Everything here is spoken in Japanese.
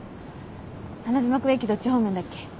花妻君駅どっち方面だっけ？